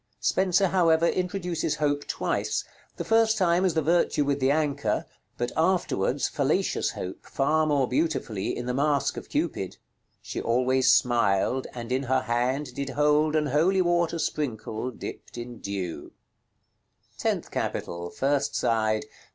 Spenser, however, introduces Hope twice, the first time as the Virtue with the anchor; but afterwards fallacious Hope, far more beautifully, in the Masque of Cupid: "She always smyld, and in her hand did hold An holy water sprinckle, dipt in deowe." § LXXXVI. Tenth Capital. _First side.